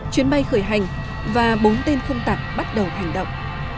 chuyến bay khởi hành và bốn tên không tặng bắt đầu hành động